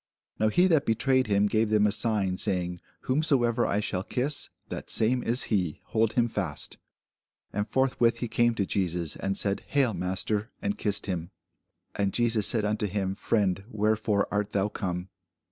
Now he that betrayed him gave them a sign, saying, Whomsoever I shall kiss, that same is he: hold him fast. And forthwith he came to Jesus, and said, Hail, master; and kissed him. And Jesus said unto him, Friend, wherefore art thou come?